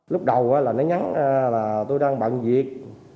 lúc đầu là nó ngắn là tôi đang bận việc